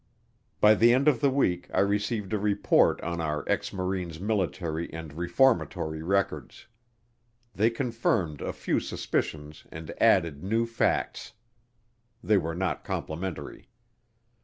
By the end of the week I received a report on our ex Marine's military and reformatory records. They confirmed a few suspicions and added new facts. They were not complimentary.